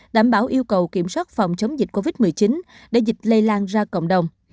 đảm bảo yêu cầu kiểm soát phòng chống dịch covid một mươi chín để dịch lây lan ra cộng đồng